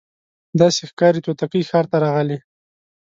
داسي ښکاري توتکۍ ښار ته راغلې